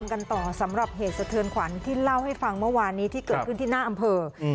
กันต่อสำหรับเหตุสะเทือนขวัญที่เล่าให้ฟังเมื่อวานนี้ที่เกิดขึ้นที่หน้าอำเภอ